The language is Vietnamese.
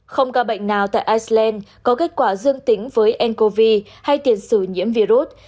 không cả bệnh nào tại iceland có kết quả dương tính với ncov hay tiện xử nhiễm virus